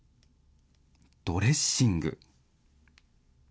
ドレッシング。